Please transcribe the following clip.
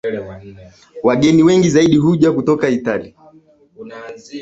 Wageni wengi zaidi huja hutoka Italia